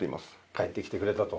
帰って来てくれたと。